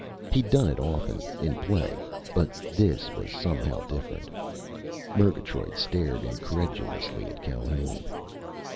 He'd done it often, in play, but this was somehow different. Murgatroyd stared incredulously at Calhoun.